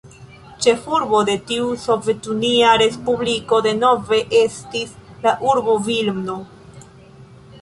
Ĉefurbo de tiu sovetunia respubliko denove estis la urbo Vilno.